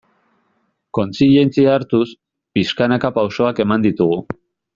Kontzientzia hartuz, pixkanaka pausoak eman ditugu.